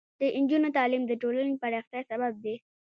د نجونو تعلیم د ټولنې پراختیا سبب دی.